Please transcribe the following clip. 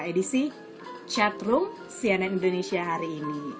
edisi chatroom cnn indonesia hari ini